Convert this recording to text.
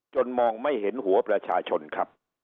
มองไม่เห็นหัวประชาชนครับ